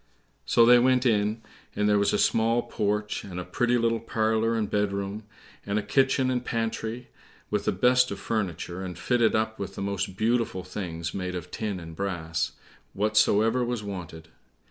So they went in, and there was a small porch, and a pretty little parlor and bedroom, and a kitchen and pantry, with the best of furniture, and fitted up with the most beautiful things made of tin and brass, whatsoever was wanted.